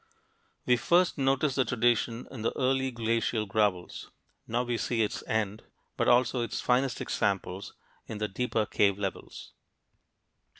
We first noticed the tradition in the early glacial gravels (p. 43); now we see its end, but also its finest examples, in the deeper cave levels.